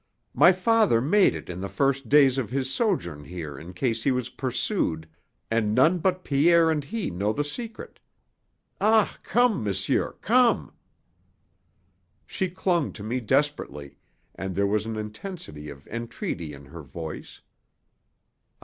My father made it in the first days of his sojourn here in case he was pursued, and none but Pierre and he know the secret. Ah, come, monsieur come!" She clung to me desperately, and there was an intensity of entreaty in her voice.